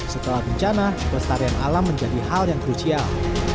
setelah bencana kestabilan alam menjadi hal yang krucial